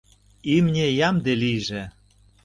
Имне ямде лийже.